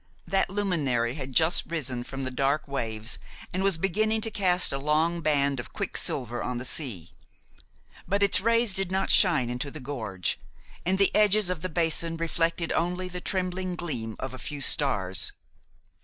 That luminary had just risen from the dark waves and was beginning to cast a long band of quick silver on the sea; but its rays did not shine into the gorge, and the edges of the basin reflected only the trembling gleam of a few stars.